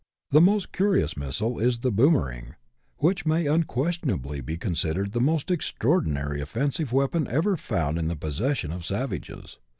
The most curious missile is the boomering, which may unques tionably be considered the most extraordinary offensive weapon ever found in the possession of savages.